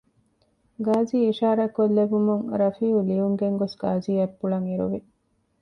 ގާޒީ އިޝާރާތްކޮށްލެއްވުމުން ރަފީއު ލިޔުން ގެންގޮސް ގާޒީ އަތްޕުޅަށް އެރުވި